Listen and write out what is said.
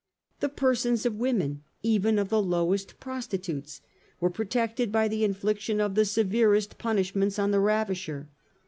The persons of women, even of the lowest prostitutes, were protected by the infliction of the severest punish ments on the ravisher.